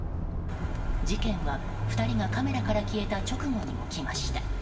事件は２人がカメラから消えた直後に起きました。